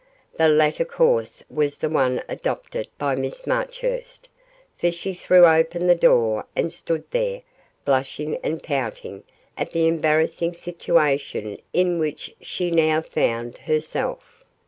The latter course was the one adopted by Miss Marchurst, for she threw open the door and stood there blushing and pouting at the embarrassing situation in which she now found herself.